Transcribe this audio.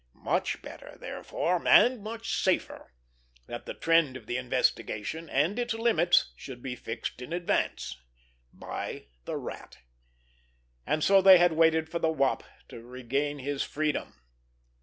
Much better, therefore, and much safer, that the trend of the investigation, and its limits, should be fixed in advance—by the Rat. And so they had waited for the Wop to regain his freedom.